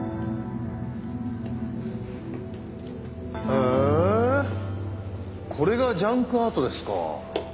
へえこれがジャンクアートですか。